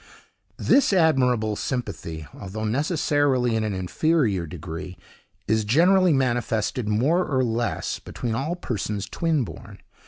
This admirable sympathy, although necessarily in an inferior degree, is generally manifested, more or less, between all persons twin born.